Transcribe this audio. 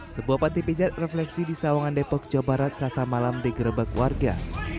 sebuah panti pijat refleksi di sawangan depok jawa barat selasa malam digerebek warga